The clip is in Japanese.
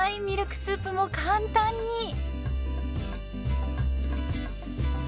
ミルクスープも簡単に。